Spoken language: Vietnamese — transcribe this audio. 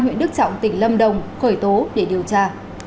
huyện đức trọng tỉnh lâm đồng khởi tố để điều tra